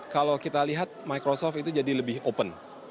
kalau kita lihat microsoft itu jadi lebih open